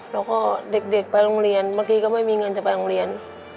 แล้วก็เด็กไปโรงเรียนบางทีก็ไม่มีเงินจะไปโรงเรียน